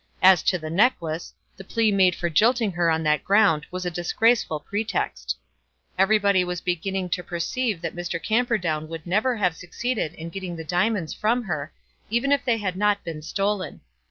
As to the necklace, the plea made for jilting her on that ground was a disgraceful pretext. Everybody was beginning to perceive that Mr. Camperdown would never have succeeded in getting the diamonds from her, even if they had not been stolen.